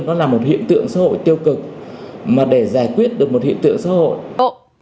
nó là một hiện tượng xã hội tiêu cực mà để giải quyết được một hiện tượng xã hội